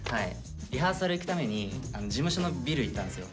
リハーサル行くために事務所のビルに行ったんですよ。